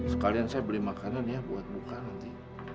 sekalian saya beli makanan ya buat buka nanti